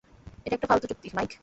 এটা একটা ফালতু চুক্তি, মাইক।